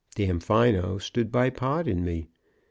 Damfino stood by Pod and me.